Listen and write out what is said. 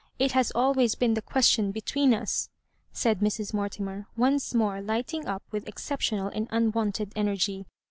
It has always been the question between us," said Mrs. Mortimer, once more lighting up with exceptional and unwonted energy.